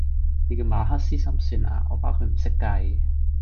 你叫馬克思心算啊，我包佢唔識計!